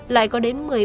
lại có đến